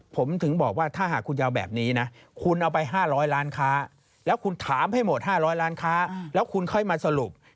ผมถึงบอกว่าถ้าหากคุณจะเอาแบบนี้นะคุณเอาไป๕๐๐ล้านค้าแล้วคุณถามให้หมด๕๐๐ล้านค้าแล้วคุณค่อยมาสรุป